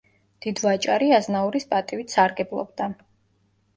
დიდვაჭარი აზნაურის პატივით სარგებლობდა.